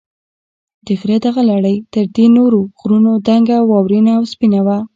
د غره دغه لړۍ تر دې نورو غرونو دنګه، واورینه او سپینه وه.